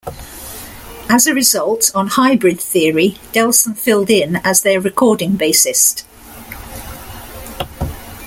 As a result, on "Hybrid Theory", Delson filled in as their recording bassist.